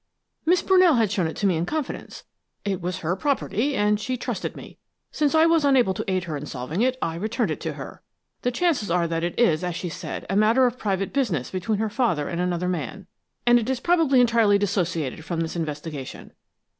"Miss Brunell had shown it to me in confidence. It was her property, and she trusted me. Since I was unable to aid her in solving it, I returned it to her. The chances are that it is, as she said, a matter of private business between her father and another man, and it is probably entirely dissociated from this investigation."